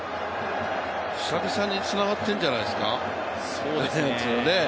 久々につながってんじゃないですか。